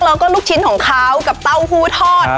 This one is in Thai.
แล้วก็ลูกชิ้นของเขากับเต้าหู้ทอด